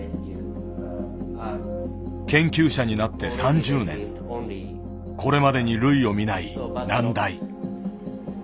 研究者になって３０年これまでに類を見ない難題。